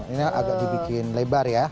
ini agak dibikin lebar ya